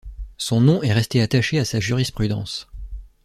Son nom est resté attaché à sa jurisprudence.